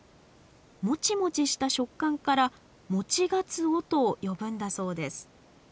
モチモチした食感から「もちがつお」と呼ぶんだそうです。